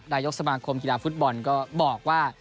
นายกสมาคมกีฬาฟุตบอลก็บอกว่า